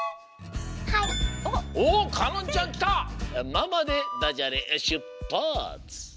「まま」でダジャレしゅっぱつ！